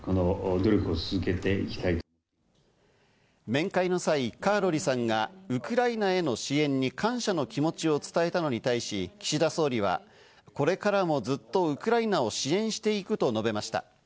面会の際、カーロリさんがウクライナへの支援に感謝の気持ちを伝えたのに対し、岸田総理はこれからもずっとウクライナを支援していくと述べました。